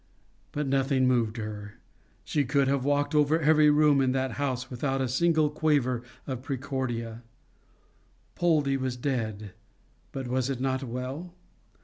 But nothing moved her. She could have walked over every room in that house without a single quaver of the praecordia. Poldie was dead, but was it not well?